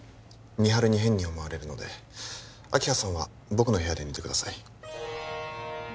美晴に変に思われるので明葉さんは僕の部屋で寝てください